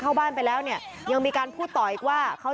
ก็บอกแล้วไงว่าไม่ใช่